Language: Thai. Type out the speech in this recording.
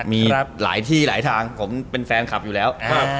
มีหลายที่หลายทางผมเป็นแฟนคลับอยู่แล้ว